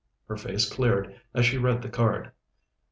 Her face cleared as she read the card.